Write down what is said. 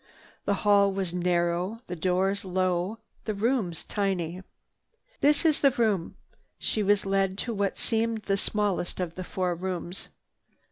The hall was narrow, the doors low, the rooms tiny. "This is the room." She was led to what seemed the smallest of the four rooms.